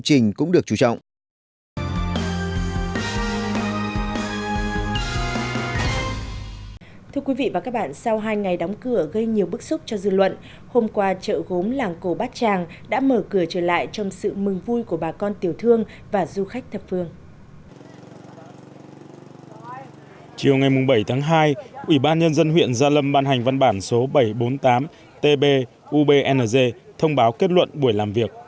chiều ngày bảy tháng hai ủy ban nhân dân huyện gia lâm ban hành văn bản số bảy trăm bốn mươi tám tb ubnz thông báo kết luận buổi làm việc